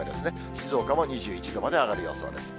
静岡も２１度まで上がる予想です。